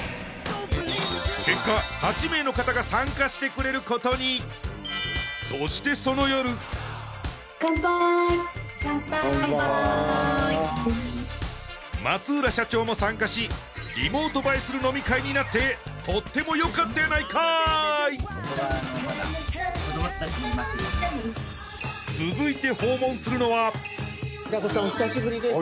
結果８名の方が参加してくれることにそしてその夜カンパーイカンパーイ浦社長も参加しリモート映えする飲み会になってとってもよかったやないかーい続いて訪問するのは平子さんお久しぶりです